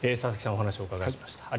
お話をお伺いしました。